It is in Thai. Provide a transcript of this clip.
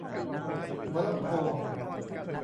หัวลำโพง